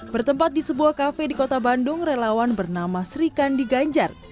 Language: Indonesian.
bertempat di sebuah kafe di kota bandung relawan bernama sri kandi ganjar